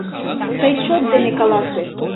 Тый чот дене каласе!